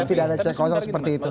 tidak ada cek kosong seperti itu